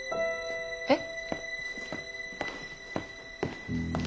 えっ？